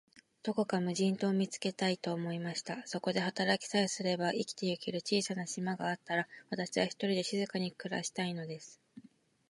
どこか無人島を見つけたい、と思いました。そこで働きさえすれば、生きてゆける小さな島があったら、私は、ひとりで静かに暮したいのです。